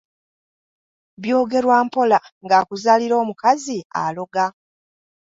“Byogerwa mpola”, ng’akuzaalira omukazi aloga.